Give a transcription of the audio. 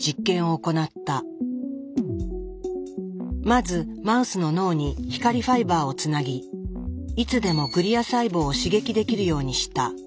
まずマウスの脳に光ファイバーをつなぎいつでもグリア細胞を刺激できるようにした。